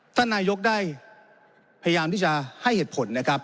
ท่านนายกได้พยายามที่จะให้เหตุผลนะครับ